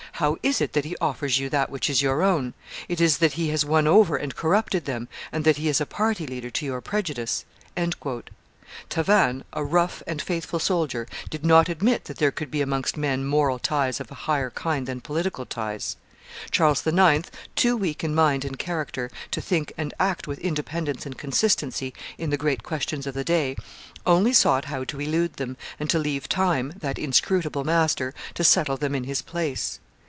How is it that he offers you that which is your own? It is that he has won over and corrupted them, and that he is a party leader to your prejudice." Tavannes, a rough and faithful soldier, did not admit that there could be amongst men moral ties of a higher kind than political ties. Charles IX., too weak in mind and character to think and act with independence and consistency in the great questions of the day, only sought how to elude them, and to leave time, that inscrutable master, to settle them in his place.